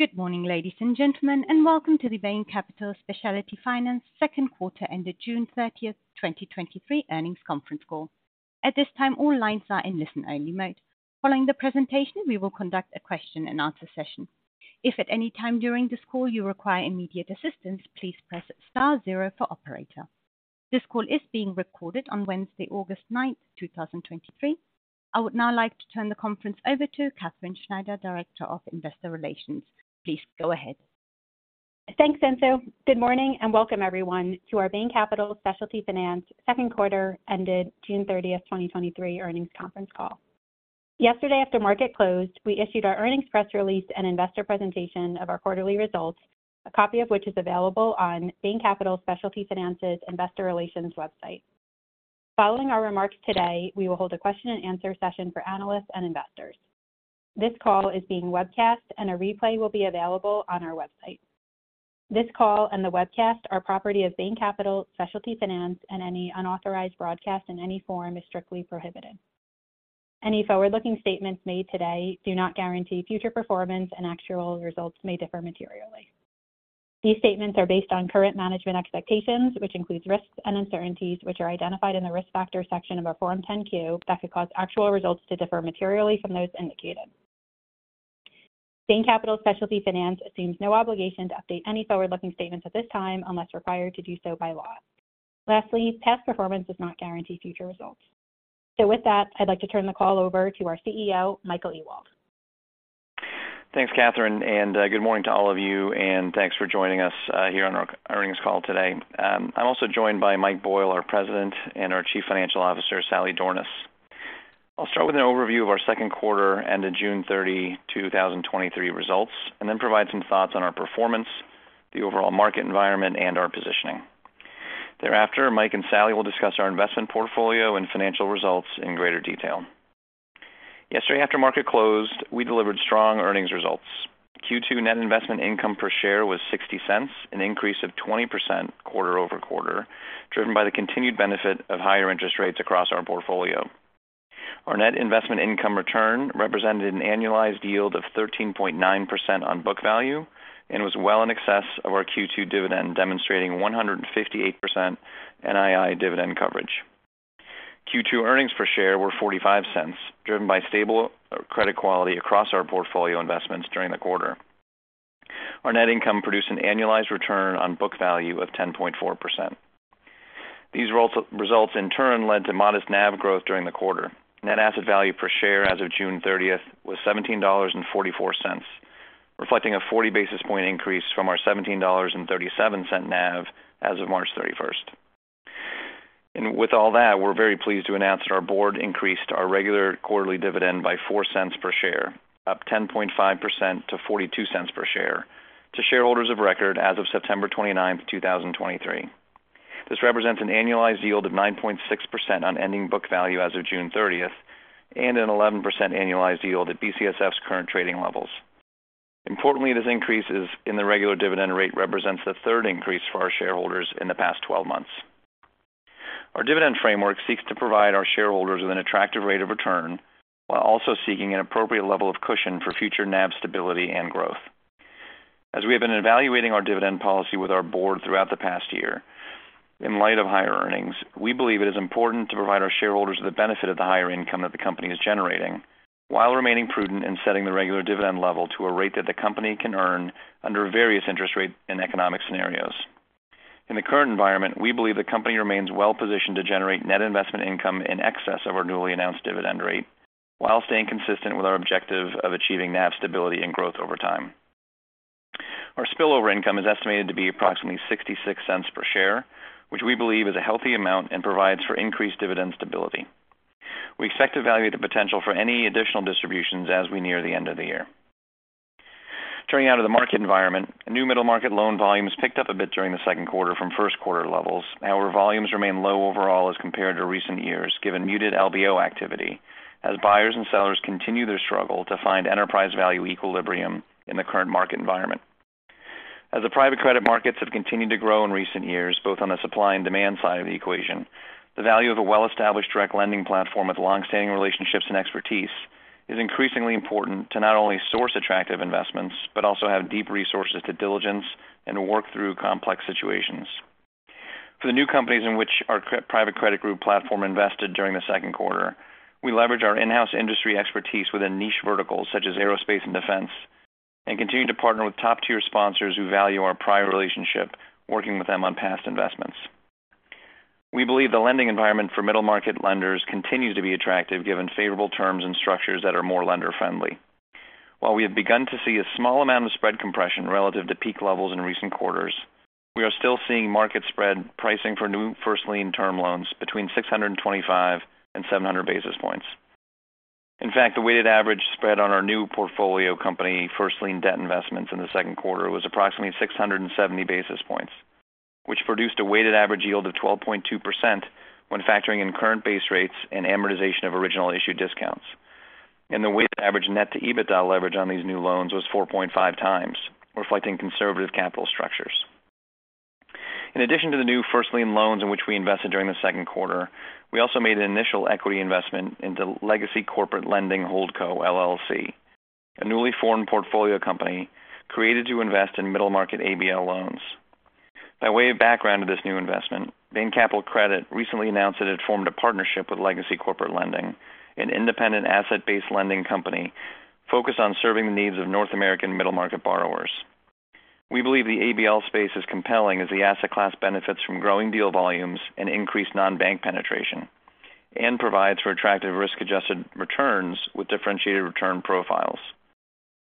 Good morning, ladies and gentlemen, and welcome to the Bain Capital Specialty Finance Q2 ended June 30th 2023 earnings conference call. At this time, all lines are in listen-only mode. Following the presentation, we will conduct a question-and-answer session. If at any time during this call you require immediate assistance, please press star zero for operator. This call is being recorded on Wednesday, August 9th 2023. I would now like to turn the conference over to Katherine Schneider, Director of Investor Relations. Please go ahead. Thanks, Enzo. Good morning, welcome everyone to our Bain Capital Specialty Finance Q2 ended June 30th 2023 earnings conference call. Yesterday, after market closed, we issued our earnings press release and investor presentation of our quarterly results, a copy of which is available on Bain Capital Specialty Finance's Investor Relations website. Following our remarks today, we will hold a question-and-answer session for analysts and investors. This call is being webcast, a replay will be available on our website. This call and the webcast are property of Bain Capital Specialty Finance, any unauthorized broadcast in any form is strictly prohibited. Any forward-looking statements made today do not guarantee future performance, actual results may differ materially. These statements are based on current management expectations, which includes risks and uncertainties, which are identified in the Risk Factors section of our Form 10-Q that could cause actual results to differ materially from those indicated. Bain Capital Specialty Finance assumes no obligation to update any forward-looking statements at this time, unless required to do so by law. Lastly, past performance does not guarantee future results. With that, I'd like to turn the call over to our CEO, Michael Ewald. Thanks, Katherine, good morning to all of you, and thanks for joining us here on our earnings call today. I'm also joined by Mike Boyle, our President, and our Chief Financial Officer, Sally Dornaus. I'll start with an overview of our Q2 and the June 30 2023 results, and then provide some thoughts on our performance, the overall market environment, and our positioning. Thereafter, Mike and Sally will discuss our investment portfolio and financial results in greater detail. Yesterday, after market closed, we delivered strong earnings results. Q2 net investment income per share was $0.60, an increase of 20% quarter-over-quarter, driven by the continued benefit of higher interest rates across our portfolio. Our net investment income return represented an annualized yield of 13.9% on book value and was well in excess of our Q2 dividend, demonstrating 158% NII dividend coverage. Q2 earnings per share were $0.45, driven by stable credit quality across our portfolio investments during the quarter. Our net income produced an annualized return on book value of 10.4%. These results in turn led to modest NAV growth during the quarter. Net asset value per share as of June 30th was $17.44, reflecting a 40 basis point increase from our $17.37 NAV as of March 31st. With all that, we're very pleased to announce that our board increased our regular quarterly dividend by $0.04 per share, up 10.5% to $0.42 per share to shareholders of record as of September 29 2023. This represents an annualized yield of 9.6% on ending book value as of June 30th and an 11% annualized yield at BCSF's current trading levels. Importantly, this increase is in the regular dividend rate, represents the third increase for our shareholders in the past 12 months. Our dividend framework seeks to provide our shareholders with an attractive rate of return, while also seeking an appropriate level of cushion for future NAV stability and growth. As we have been evaluating our dividend policy with our board throughout the past year, in light of higher earnings, we believe it is important to provide our shareholders the benefit of the higher income that the company is generating, while remaining prudent in setting the regular dividend level to a rate that the company can earn under various interest rates and economic scenarios. In the current environment, we believe the company remains well positioned to generate net investment income in excess of our newly announced dividend rate, while staying consistent with our objective of achieving NAV stability and growth over time. Our spillover income is estimated to be approximately $0.66 per share, which we believe is a healthy amount and provides for increased dividend stability. We expect to evaluate the potential for any additional distributions as we near the end of the year. Turning now to the market environment. New middle-market loan volumes picked up a bit during the Q2 from Q1 levels. However, volumes remain low overall as compared to recent years, given muted LBO activity, as buyers and sellers continue their struggle to find enterprise value equilibrium in the current market environment. As the private credit markets have continued to grow in recent years, both on the supply and demand side of the equation, the value of a well-established direct lending platform with long-standing relationships and expertise is increasingly important to not only source attractive investments, but also have deep resources to diligence and work through complex situations. For the new companies in which our private credit group platform invested during the Q2, we leveraged our in-house industry expertise within niche verticals such as aerospace and defense, and continued to partner with top-tier sponsors who value our prior relationship, working with them on past investments. We believe the lending environment for middle-market lenders continues to be attractive, given favorable terms and structures that are more lender-friendly. While we have begun to see a small amount of spread compression relative to peak levels in recent quarters, we are still seeing market spread pricing for new first lien term loans between 625 and 700 basis points. In fact, the weighted average spread on our new portfolio company, first lien debt investments in the Q2, was approximately 670 basis points, which produced a weighted average yield of 12.2% when factoring in current base rates and amortization of original issue discounts. The weighted average net-to-EBITDA leverage on these new loans was 4.5x, reflecting conservative capital structures. In addition to the new first lien loans in which we invested during the Q2, we also made an initial equity investment into Legacy Corporate Lending HoldCo, LLC, a newly formed portfolio company created to invest in middle-market ABL loans. By way of background to this new investment, Bain Capital Credit recently announced that it formed a partnership with Legacy Corporate Lending, an independent asset-based lending company focused on serving the needs of North American middle-market borrowers. We believe the ABL space is compelling as the asset class benefits from growing deal volumes and increased non-bank penetration, and provides for attractive risk-adjusted returns with differentiated return profiles.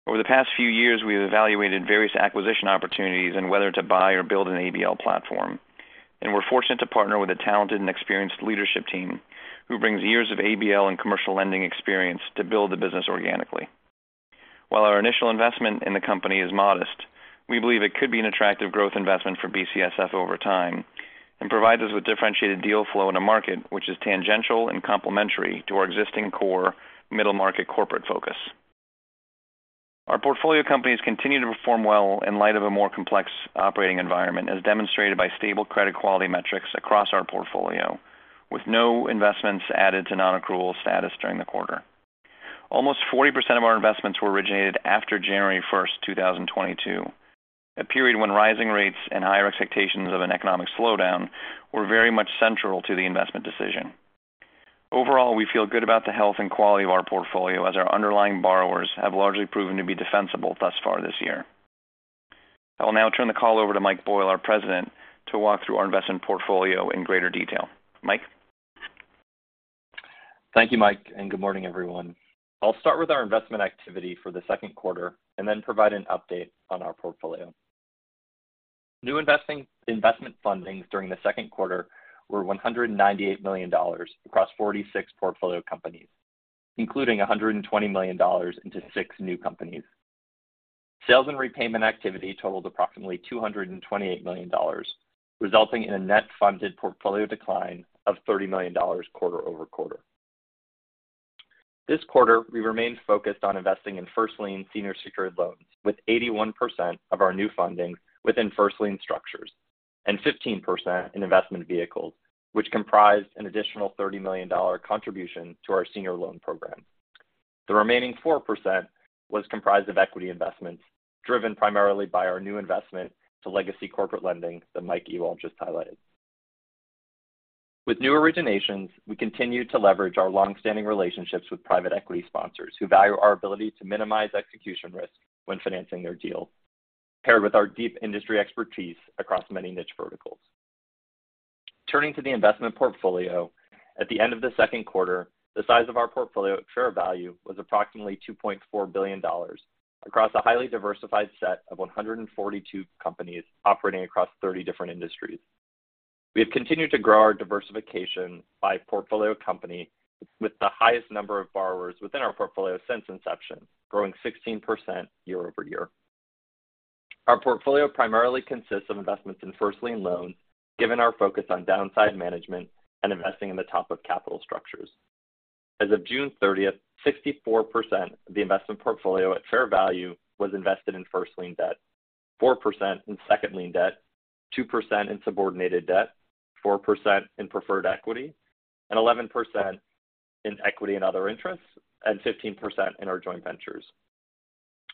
Over the past few years, we've evaluated various acquisition opportunities and whether to buy or build an ABL platform, and we're fortunate to partner with a talented and experienced leadership team who brings years of ABL and commercial lending experience to build the business organically. While our initial investment in the company is modest, we believe it could be an attractive growth investment for BCSF over time and provides us with differentiated deal flow in a market which is tangential and complementary to our existing core middle-market corporate focus. Our portfolio companies continue to perform well in light of a more complex operating environment, as demonstrated by stable credit quality metrics across our portfolio, with no investments added to non-accrual status during the quarter. Almost 40% of our investments were originated after January 1 2022, a period when rising rates and higher expectations of an economic slowdown were very much central to the investment decision. Overall, we feel good about the health and quality of our portfolio, as our underlying borrowers have largely proven to be defensible thus far this year. I will now turn the call over to Mike Boyle, our President, to walk through our investment portfolio in greater detail. Mike? Thank you, Mike. Good morning, everyone. I'll start with our investment activity for the Q2 and then provide an update on our portfolio. New investment fundings during the Q2 were $198 million across 46 portfolio companies, including $120 million into six new companies. Sales and repayment activity totaled approximately $228 million, resulting in a net funded portfolio decline of $30 million quarter-over-quarter. This quarter, we remained focused on investing in first lien senior secured loans, with 81% of our new funding within first lien structures and 15% in investment vehicles, which comprised an additional $30 million contribution to our Senior Loan Program. The remaining 4% was comprised of equity investments, driven primarily by our new investment to Legacy Corporate Lending that Mike Ewald just highlighted. With new originations, we continue to leverage our long-standing relationships with private equity sponsors who value our ability to minimize execution risk when financing their deals, paired with our deep industry expertise across many niche verticals. Turning to the investment portfolio, at the end of the Q2, the size of our portfolio at fair value was approximately $2.4 billion across a highly diversified set of 142 companies operating across 30 different industries. We have continued to grow our diversification by portfolio company with the highest number of borrowers within our portfolio since inception, growing 16% year-over-year. Our portfolio primarily consists of investments in first lien loans, given our focus on downside management and investing in the top of capital structures. As of June 30th, 64% of the investment portfolio at fair value was invested in first lien debt, 4% in second lien debt, 2% in subordinated debt, 4% in preferred equity, 11% in equity and other interests, and 15% in our joint ventures.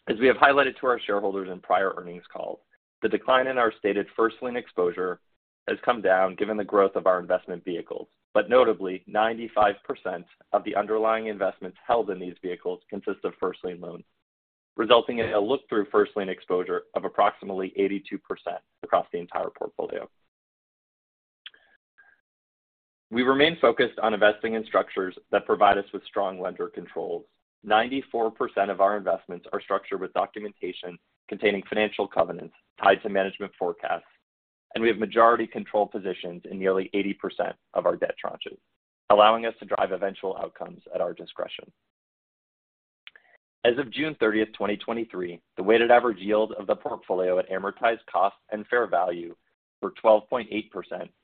As we have highlighted to our shareholders in prior earnings calls, the decline in our stated first lien exposure has come down given the growth of our investment vehicles. Notably, 95% of the underlying investments held in these vehicles consist of first lien loans, resulting in a look-through first lien exposure of approximately 82% across the entire portfolio. We remain focused on investing in structures that provide us with strong lender controls. 94% of our investments are structured with documentation containing financial covenants tied to management forecasts, and we have majority control positions in nearly 80% of our debt tranches, allowing us to drive eventual outcomes at our discretion. As of June 30 2023, the weighted average yield of the portfolio at amortized cost and fair value were 12.8%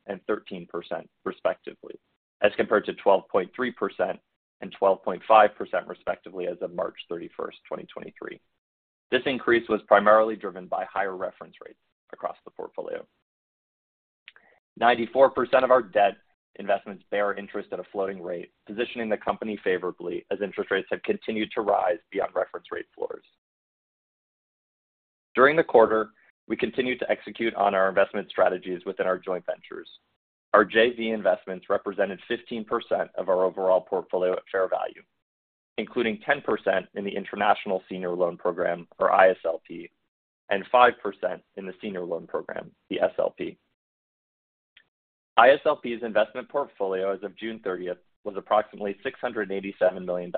and 13%, respectively, as compared to 12.3% and 12.5%, respectively, as of March 31 2023. This increase was primarily driven by higher reference rates across the portfolio. 94% of our debt investments bear interest at a floating rate, positioning the company favorably as interest rates have continued to rise beyond reference rate floors. During the quarter, we continued to execute on our investment strategies within our joint ventures. Our JV investments represented 15% of our overall portfolio at fair value, including 10% in the International Senior Loan Program, or ISLP, and 5% in the Senior Loan Program, the SLP. ISLP's investment portfolio as of June 30th was approximately $687 million,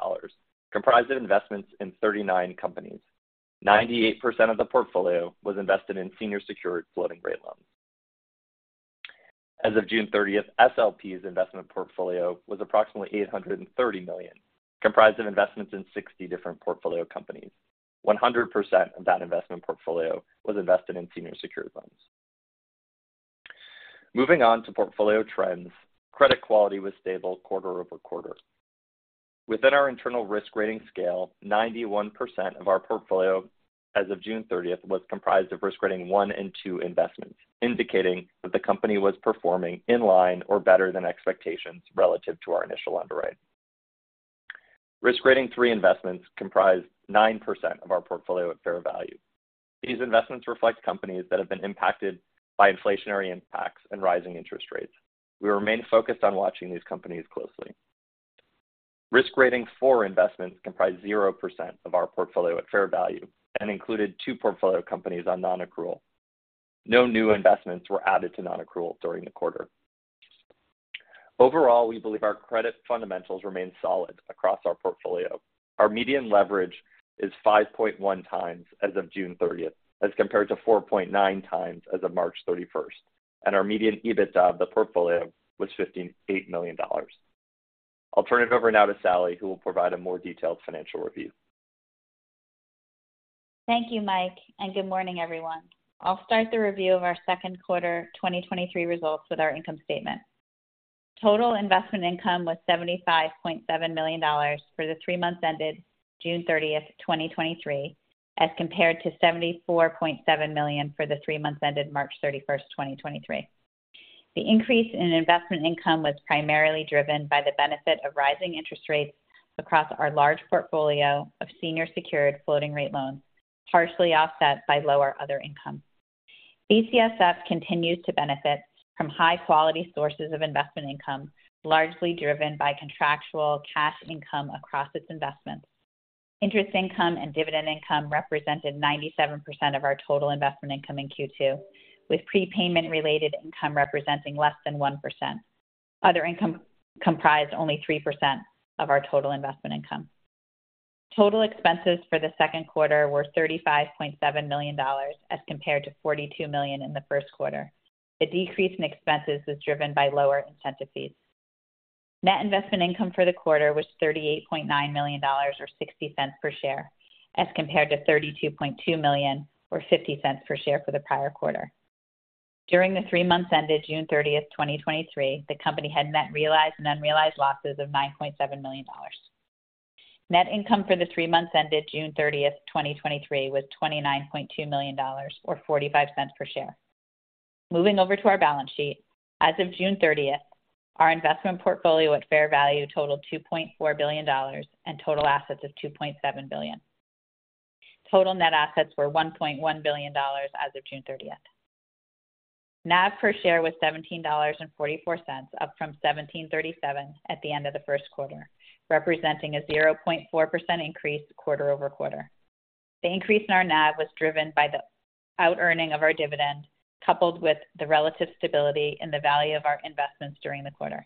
comprised of investments in 39 companies. 98% of the portfolio was invested in senior secured floating-rate loans. As of June 30th, SLP's investment portfolio was approximately $830 million, comprised of investments in 60 different portfolio companies. 100% of that investment portfolio was invested in senior secured loans. Moving on to portfolio trends. Credit quality was stable quarter-over-quarter. Within our internal risk rating scale, 91% of our portfolio as of June thirtieth, was comprised of risk rating one and two investments, indicating that the company was performing in line or better than expectations relative to our initial underwrite. Risk rating three investments comprised 9% of our portfolio at fair value. These investments reflect companies that have been impacted by inflationary impacts and rising interest rates. We remain focused on watching these companies closely. Risk rating four investments comprise 0% of our portfolio at fair value and included two portfolio companies on nonaccrual. No new investments were added to nonaccrual during the quarter. Overall, we believe our credit fundamentals remain solid across our portfolio. Our median leverage is 5.1x as of June 30th, as compared to 4.9x as of March 31st, and our median EBITDA of the portfolio was $58 million. I'll turn it over now to Sally, who will provide a more detailed financial review. Thank you, Mike, and good morning, everyone. I'll start the review of our Q2 2023 results with our income statement. Total investment income was $75.7 million for the three months ended June 30th 2023, as compared to $74.7 million for the three months ended March 31st 2023. The increase in investment income was primarily driven by the benefit of rising interest rates across our large portfolio of senior secured floating rate loans, partially offset by lower other income. BCSF continues to benefit from high-quality sources of investment income, largely driven by contractual cash income across its investments. Interest income and dividend income represented 97% of our total investment income in Q2, with prepayment-related income representing less than 1%. Other income comprised only 3% of our total investment income. Total expenses for the Q2 were $35.7 million, as compared to $42 million in the Q1. The decrease in expenses was driven by lower incentive fees. Net investment income for the quarter was $38.9 million, or $0.60 per share, as compared to $32.2 million, or $0.50 per share for the prior quarter. During the three months ended June 30 2023, the company had net realized and unrealized losses of $9.7 million. Net income for the three months ended June 30 2023, was $29.2 million, or $0.45 per share. Moving over to our balance sheet. As of June 30, our investment portfolio at fair value totaled $2.4 billion, and total assets of $2.7 billion. Total net assets were $1.1 billion as of June 30th. NAV per share was $17.44, up from $17.37 at the end of the Q1, representing a 0.4% increase quarter-over-quarter. The increase in our NAV was driven by the outearning of our dividend, coupled with the relative stability in the value of our investments during the quarter.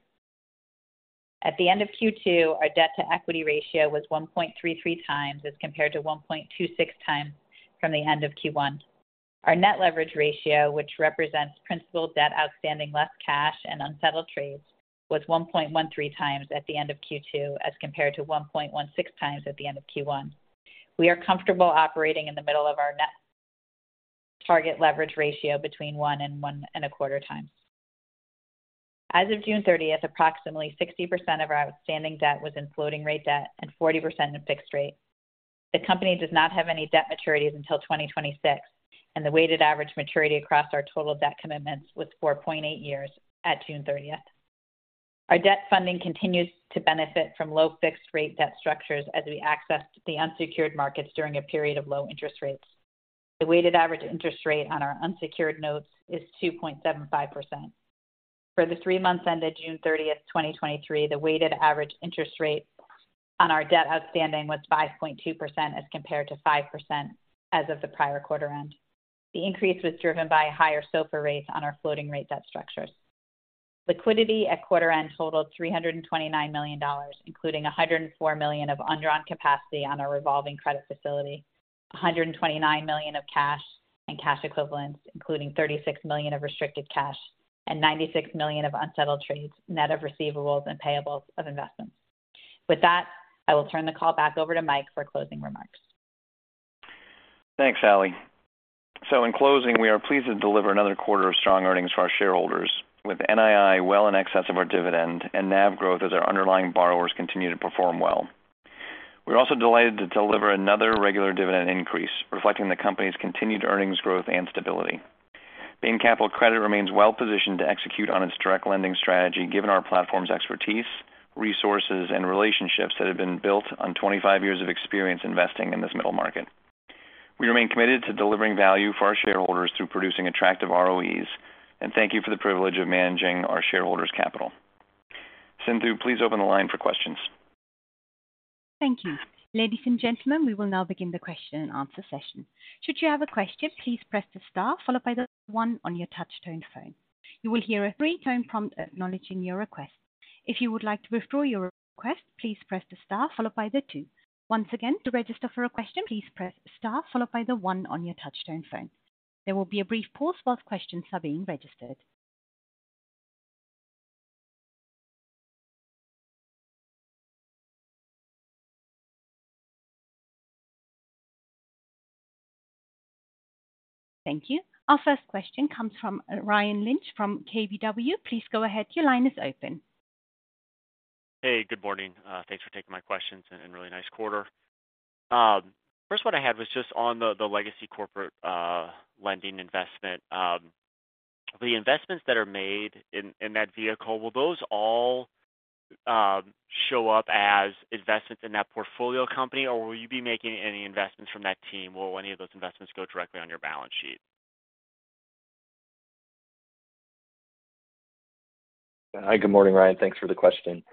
At the end of Q2, our debt-to-equity ratio was 1.33x as compared to 1.26x from the end of Q1. Our net leverage ratio, which represents principal debt outstanding less cash and unsettled trades, was 1.13x at the end of Q2 as compared to 1.16x at the end of Q1. We are comfortable operating in the middle of our net target leverage ratio between 1x and 1.25x. As of June 30th, approximately 60% of our outstanding debt was in floating rate debt and 40% in fixed rate. The company does not have any debt maturities until 2026, and the weighted average maturity across our total debt commitments was 4.8 years at June 30th. Our debt funding continues to benefit from low fixed rate debt structures as we access the unsecured markets during a period of low interest rates. The weighted average interest rate on our unsecured notes is 2.75%. For the three months ended June 30th 2023, the weighted average interest rate on our debt outstanding was 5.2%, as compared to 5% as of the prior quarter end. The increase was driven by higher SOFR rates on our floating rate debt structures. Liquidity at quarter end totaled $329 million, including $104 million of undrawn capacity on our revolving credit facility, $129 million of cash and cash equivalents, including $36 million of restricted cash and $96 million of unsettled trades, net of receivables and payables of investments. With that, I will turn the call back over to Mike for closing remarks. Thanks, Sally. In closing, we are pleased to deliver another quarter of strong earnings for our shareholders with NII well in excess of our dividend and NAV growth as our underlying borrowers continue to perform well. We're also delighted to deliver another regular dividend increase, reflecting the company's continued earnings growth and stability. Bain Capital Credit remains well positioned to execute on its direct lending strategy, given our platform's expertise, resources and relationships that have been built on 25 years of experience investing in this middle market. We remain committed to delivering value for our shareholders through producing attractive ROEs, and thank you for the privilege of managing our shareholders' capital. Sindhu, please open the line for questions. Thank you. Ladies and gentlemen, we will now begin the question and answer session. Should you have a question, please press the star followed by the one on your touchtone phone. You will hear a three-tone prompt acknowledging your request. If you would like to withdraw your request, please press the star followed by the two. Once again, to register for a question, please press star followed by the one on your touchtone phone. There will be a brief pause while questions are being registered. Thank you. Our first question comes from Ryan Lynch from KBW. Please go ahead. Your line is open. Hey, good morning. Thanks for taking my questions and, and really nice quarter. First one I had was just on the, the Legacy Corporate Lending investment. The investments that are made in, in that vehicle, will those all, show up as investments in that portfolio company, or will you be making any investments from that team? Will any of those investments go directly on your balance sheet? Hi, good morning, Ryan. Thanks for the question.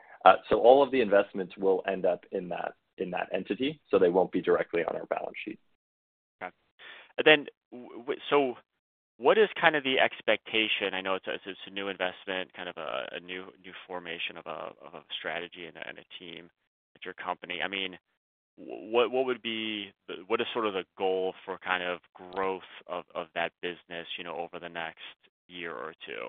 All of the investments will end up in that, in that entity, so they won't be directly on our balance sheet. Okay. Then what is kind of the expectation? I know it's a new investment, kind of a new formation of a strategy and a team at your company. I mean, what is sort of the goal for kind of growth of that business, you know, over the next year or two?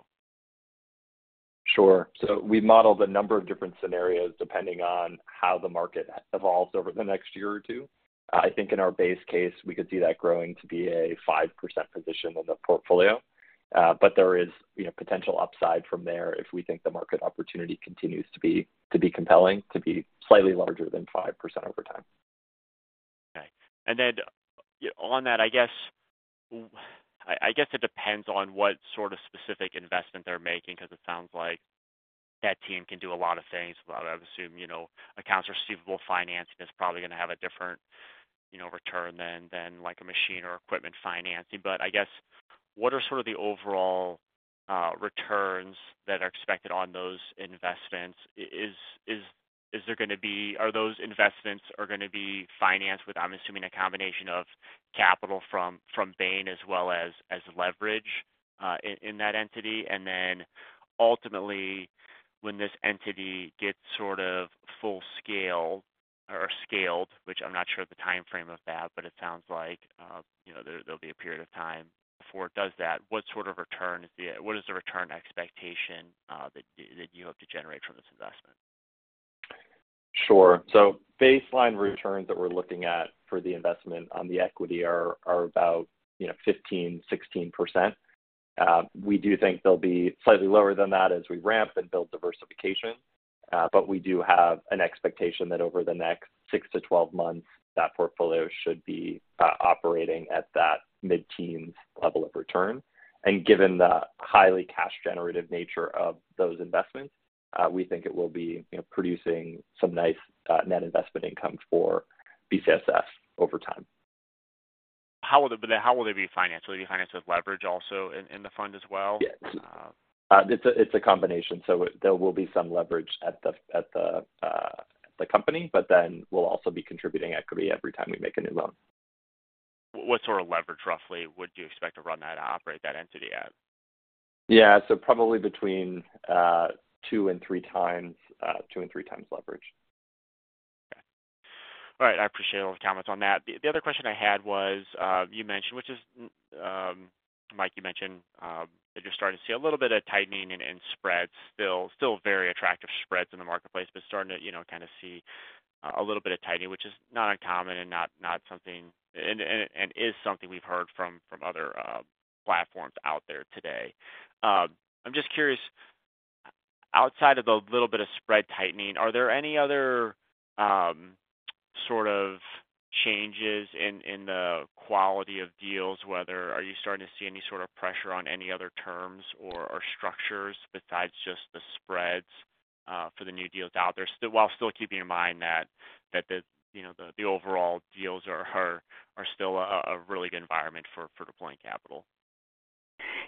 Sure. We've modeled a number of different scenarios depending on how the market evolves over the next year or two. I think in our base case, we could see that growing to be a 5% position in the portfolio. There is, you know, potential upside from there if we think the market opportunity continues to be compelling, to be slightly larger than 5% over time. Okay. On that, I guess, I guess it depends on what sort of specific investment they're making, because it sounds like that team can do a lot of things. I would assume, you know, accounts receivable financing is probably going to have a different, you know, return than like a machine or equipment financing. I guess, what are sort of the overall returns that are expected on those investments? Are those investments are going to be financed with, I'm assuming, a combination of capital from Bain as well as leverage in that entity? Ultimately, when this entity gets sort of full scale or scaled, which I'm not sure of the timeframe of that, but it sounds like, you know, there, there'll be a period of time before it does that, what sort of return, what is the return expectation that you, that you hope to generate from this investment? Sure. Baseline returns that we're looking at for the investment on the equity are about, you know, 15%-16%. We do think they'll be slightly lower than that as we ramp and build diversification, but we do have an expectation that over the next six to 12 months, that portfolio should be operating at that mid-teen level of return. Given the highly cash-generative nature of those investments, we think it will be, you know, producing some nice net investment income for BCSF over time. How will they, how will they be financed? Will you finance with leverage also in, in the fund as well? Yes. It's a, it's a combination, so there will be some leverage at the, at the, the company, but then we'll also be contributing equity every time we make a new loan. What sort of leverage, roughly, would you expect to run that, operate that entity at? Yeah, probably between 2x and 3x, 2x and 3x leverage. Okay. All right, I appreciate all the comments on that. The, the other question I had was, you mentioned, which is, Mike, you mentioned, that you're starting to see a little bit of tightening in, in spreads. Still, still very attractive spreads in the marketplace, but starting to, you know, kind of see a little bit of tightening, which is not uncommon and not, not something. Is something we've heard from, from other platforms out there today. I'm just curious, outside of the little bit of spread tightening, are there any other, sort of changes in, in the quality of deals? Whether are you starting to see any sort of pressure on any other terms or, or structures besides just the spreads, for the new deals out there, while still keeping in mind that the, you know, the overall deals are still a, a really good environment for, for deploying capital?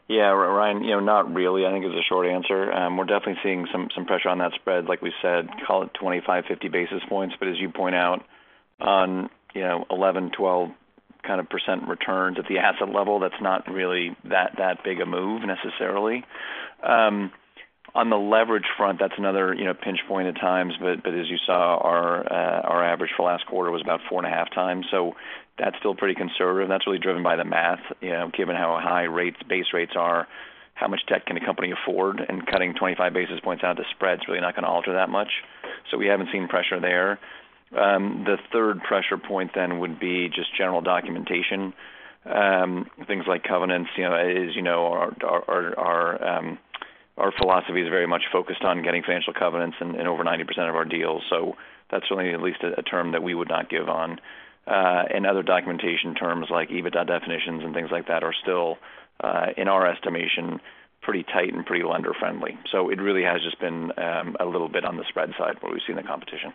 Yeah, Ryan, you know, not really, I think is the short answer. We're definitely seeing some, some pressure on that spread, like we said, call it 25-50 basis points. As you point out, on, you know, 11%-12% kind of percent returns at the asset level, that's not really that, that big a move necessarily. On the leverage front, that's another, you know, pinch point at times. As you saw, our average for last quarter was about 4.5x, so that's still pretty conservative. That's really driven by the math, you know, given how high rates, base rates are, how much debt can a company afford? Cutting 25 basis points out to spread is really not going to alter that much. We haven't seen pressure there. The third pressure point then would be just general documentation, things like covenants. You know, as you know, our, our, our, our philosophy is very much focused on getting financial covenants in, in over 90% of our deals. That's really at least a term that we would not give on. And other documentation terms like EBITDA definitions and things like that are still, in our estimation, pretty tight and pretty lender-friendly. It really has just been a little bit on the spread side where we've seen the competition.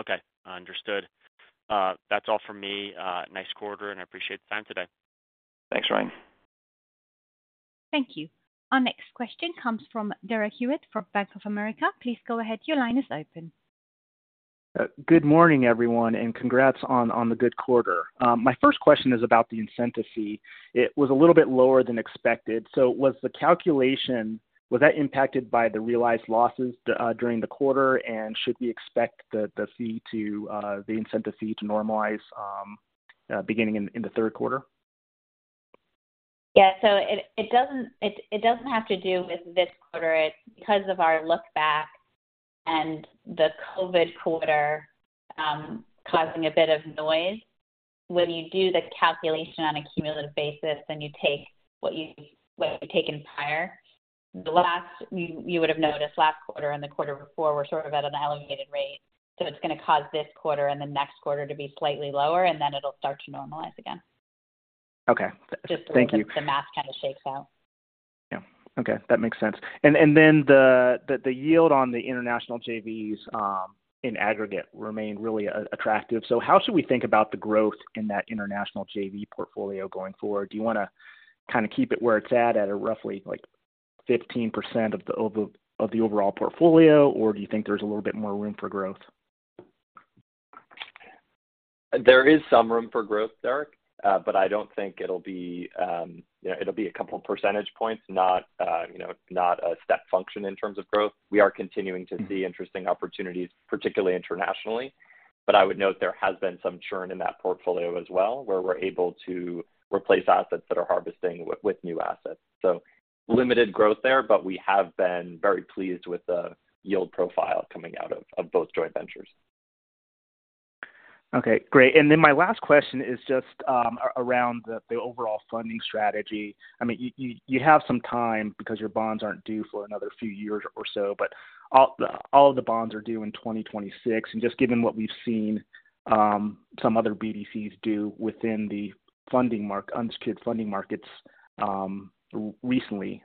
Okay, understood. That's all for me. Nice quarter, and I appreciate the time today. Thanks, Ryan. Thank you. Our next question comes from Derek Hewett, from Bank of America. Please go ahead. Your line is open. Good morning, everyone, and congrats on, on the good quarter. My first question is about the incentive fee. It was a little bit lower than expected. Was the calculation, was that impacted by the realized losses during the quarter? Should we expect the, the fee to the incentive fee to normalize beginning in the Q3? Yeah, so it, it doesn't, it, it doesn't have to do with this quarter. It's because of our look back and the COVID quarter, causing a bit of noise. When you do the calculation on a cumulative basis, and you take what you, what you've taken prior, you, you would have noticed last quarter and the quarter before were sort of at an elevated rate. it's gonna cause this quarter and the next quarter to be slightly lower, and then it'll start to normalize again. Okay. Thank you. Just the way the math kind of shakes out. Yeah. Okay, that makes sense. Then the yield on the international JVs in aggregate remained really attractive. How should we think about the growth in that international JV portfolio going forward? Do you wanna kinda keep it where it's at, at a roughly 15% of the overall portfolio? Do you think there's a little bit more room for growth? There is some room for growth, Derek, but I don't think it'll be, you know, it'll be a couple percentage points, not, you know, not a step function in terms of growth. We are continuing to see interesting opportunities, particularly internationally. I would note there has been some churn in that portfolio as well, where we're able to replace assets that are harvesting with new assets. Limited growth there, but we have been very pleased with the yield profile coming out of, of both joint ventures. Okay, great. Then my last question is just around the, the overall funding strategy. I mean, you, you, you have some time because your bonds aren't due for another few years or so, but all, all of the bonds are due in 2026. Just given what we've seen, some other BDCs do within the funding unsecured funding markets recently,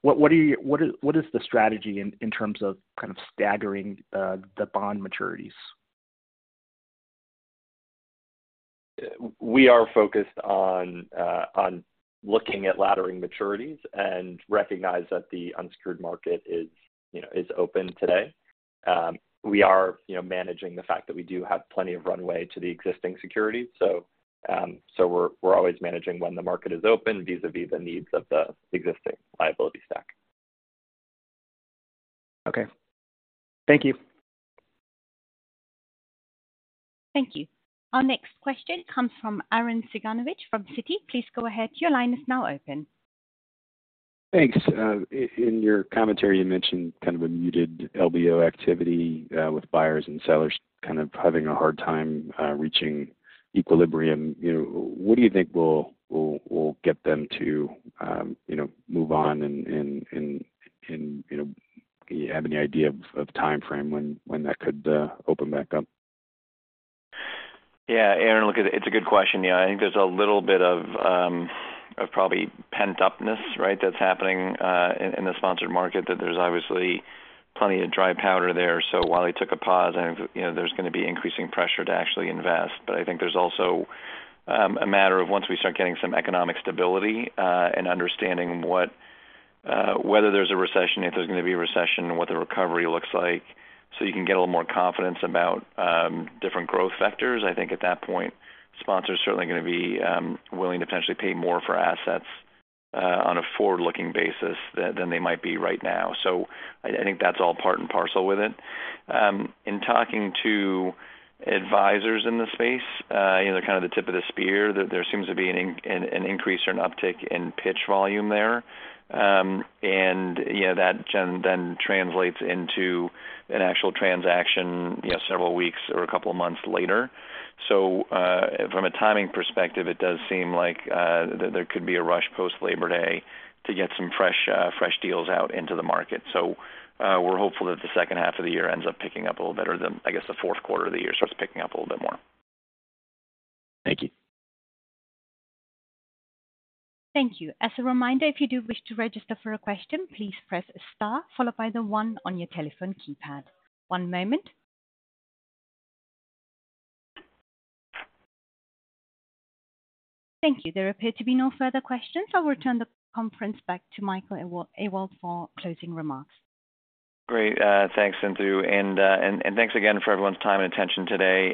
what is, what is the strategy in, in terms of kind of staggering the bond maturities? We are focused on looking at laddering maturities and recognize that the unsecured market is, you know, is open today. We are, you know, managing the fact that we do have plenty of runway to the existing securities. So we're, we're always managing when the market is open, vis-a-vis the needs of the existing liability stack. Okay. Thank you. Thank you. Our next question comes from Arren Cyganovich from Citi. Please go ahead. Your line is now open. Thanks. In your commentary, you mentioned kind of a muted LBO activity, with buyers and sellers kind of having a hard time reaching equilibrium. You know, what do you think will, will, will get them to, you know, move on and, you know, you have any idea of, of timeframe when, when that could open back up? Yeah, Arren, look, it's a good question. Yeah, I think there's a little bit of, of probably pent-up-ness, right, that's happening, in, in the sponsored market, that there's obviously plenty of dry powder there. While it took a pause, I think, you know, there's gonna be increasing pressure to actually invest. I think there's also, a matter of once we start getting some economic stability, and understanding what, whether there's a recession, if there's gonna be a recession, and what the recovery looks like, so you can get a little more confidence about, different growth vectors. I think at that point, sponsors are certainly gonna be, willing to potentially pay more for assets, on a forward-looking basis than, than they might be right now. I, I think that's all part and parcel with it. In talking to advisors in the space, you know, kind of the tip of the spear, there, there seems to be an increase or an uptick in pitch volume there. Yeah, that then translates into an actual transaction, you know, several weeks or a couple of months later. From a timing perspective, it does seem like, there could be a rush post-Labor Day to get some fresh, fresh deals out into the market. We're hopeful that the second half of the year ends up picking up a little better than, I guess, the fourth quarter of the year starts picking up a little bit more. Thank you. Thank you. As a reminder, if you do wish to register for a question, please press star followed by the one on your telephone keypad. One moment. Thank you. There appear to be no further questions. I'll return the conference back to Michael Ewald for closing remarks. Great. thanks, Sindhu, and thanks again for everyone's time and attention today.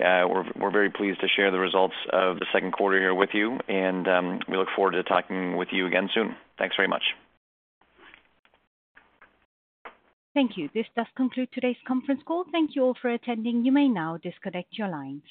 We're very pleased to share the results of the Q2 here with you. We look forward to talking with you again soon. Thanks very much. Thank you. This does conclude today's conference call. Thank you all for attending. You may now disconnect your lines.